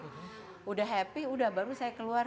sudah happy udah baru saya keluar